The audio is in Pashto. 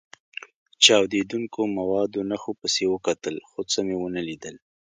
چاودېدونکو موادو نښو پسې وکتل، خو څه مې و نه لیدل.